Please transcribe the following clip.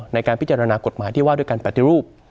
ในการพิจารณากฎหมายที่ว่าด้วยการปฏิรูป